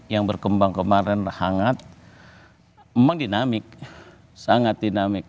yang berkembang kemarin hangat memang dinamik sangat dinamik